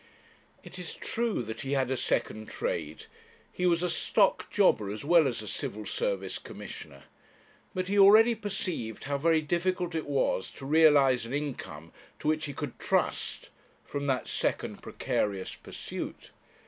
It is true that he had a second trade; he was a stock jobber as well as a Civil Service Commissioner; but he already perceived how very difficult it was to realize an income to which he could trust from that second precarious pursuit.